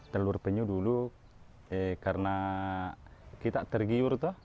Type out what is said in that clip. telur penyu dulu karena kita tergiur itu